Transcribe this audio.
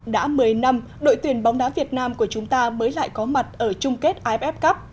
đã một mươi năm đội tuyển bóng đá việt nam của chúng ta mới lại có mặt ở chung kết iff cup